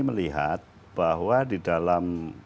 melihat bahwa di dalam